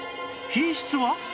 品質は？